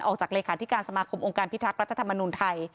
ออกจากเลยค่ะที่การสมาคมองค์การพิทักษ์รัฐธรรมนุนไทย